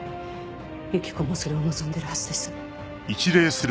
由紀子もそれを望んでるはずです。